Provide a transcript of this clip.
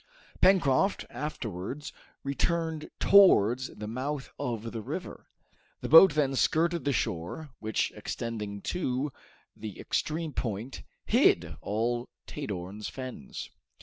Pencroft afterwards returned towards the mouth of the river. The boat then skirted the shore, which, extending to the extreme point, hid all Tadorn's Fens.